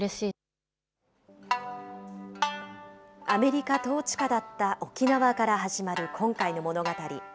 アメリカ統治下だった沖縄から始まる今回の物語。